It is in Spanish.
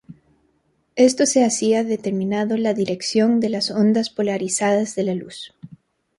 Esto se hacía determinando la dirección de las ondas polarizadas de la luz.